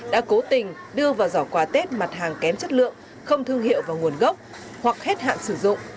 đã cố tình đưa vào giỏ quà tết mặt hàng kém chất lượng không thương hiệu và nguồn gốc hoặc hết hạn sử dụng